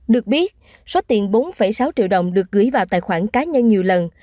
được biết số tiền bốn sáu triệu đồng được gửi vào tài khoản cá nhân nhiều lần